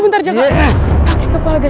ini apaan yg kamu bidik